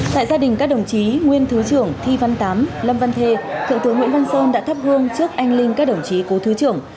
tại gia đình các đồng chí nguyên thứ trưởng thi văn tám lâm văn thê thượng tướng nguyễn văn sơn đã thắp hương trước anh linh các đồng chí cố thứ trưởng